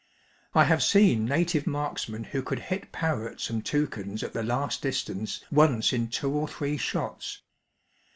I have seen native marksmen who could hit parrots and toucans at the lastdistanceonce in two or three shots.